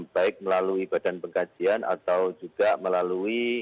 baik melalui badan pengkajian atau juga melalui